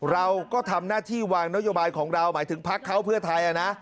เราก็ทำหน้าที่วางนโยบายของเราหมายถึงพักเขาเพื่อไทยนะ